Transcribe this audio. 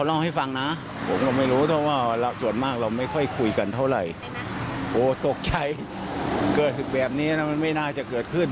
โอ้ตกใจเกิดแบบนี้มันไม่น่าจะเกิดขึ้น